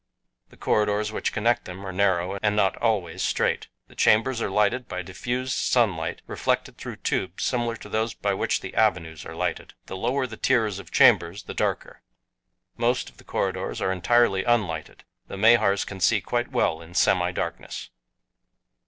The corridors which connect them are narrow and not always straight. The chambers are lighted by diffused sunlight reflected through tubes similar to those by which the avenues are lighted. The lower the tiers of chambers, the darker. Most of the corridors are entirely unlighted. The Mahars can see quite well in semidarkness.